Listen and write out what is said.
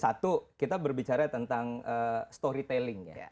satu kita berbicara tentang storytelling ya